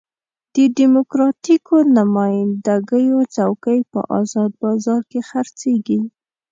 د ډیموکراتیکو نماینده ګیو څوکۍ په ازاد بازار کې خرڅېږي.